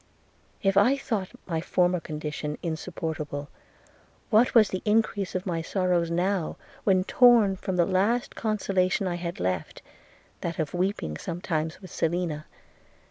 – If I thought my former condition insupportable, what was the increase of my sorrows now, when torn from the last consolation I had left, that of weeping sometimes with Selina!